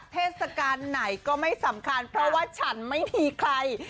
เทศกาลไหนก็ไม่สำคัญเพราะว่าฉันไม่มีใคร